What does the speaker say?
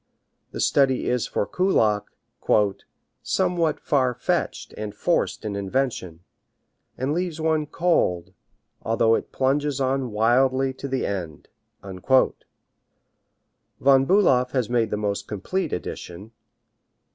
The study is for Kullak "somewhat far fetched and forced in invention, and leaves one cold, although it plunges on wildly to the end." Von Bulow has made the most complete edition.